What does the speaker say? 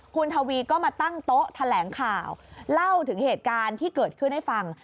คุณทวีก็มาตั้งโต๊ะแถลงข่าวเล่าถึงเหตุการณ์ที่เกิดขึ้นให้ฟัง